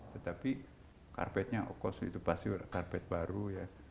tetapi karpetnya oh kosong itu pasti ada karpet baru ya